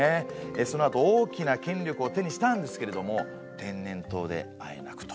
そのあと大きな権力を手にしたんですけれども天然痘であえなくと。